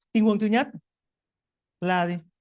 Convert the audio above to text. tình huống thứ nhất là